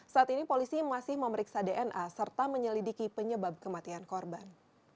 saat ini polisi masih memeriksa dna serta menyelidiki penyebab kematian korban